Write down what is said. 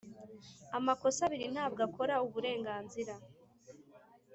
amakosa abiri ntabwo akora uburenganzira